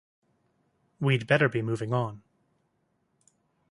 We'd better be moving on.